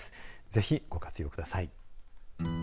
ぜひ、ご活用ください。